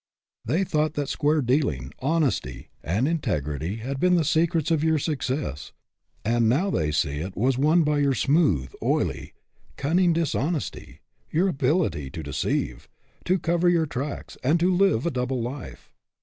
They thought that square dealing, honesty, and integrity had been the secrets of your success, and now they see that it was won by your smooth, oily, cunning dishon esty your ability to deceive, to cover your tracks, and to live a double life.